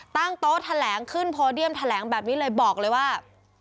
ตั้งโต๊ะแถลงขึ้นโพเดียมแถลงแบบนี้เลยบอกเลยว่า